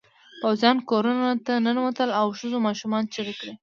پوځيان کورونو ته ننوتل او ښځو ماشومانو چیغې کړې.